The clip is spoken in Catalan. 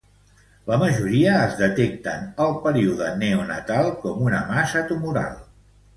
La majoria es detecten al període neonatal com una massa tumoral.